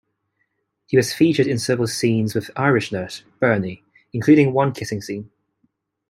He was featured in several scenes with Irish nurse, Bernie, including one kissing scene.